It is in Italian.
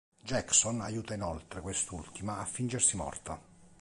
Jackson aiuta inoltre quest'ultima a fingersi morta.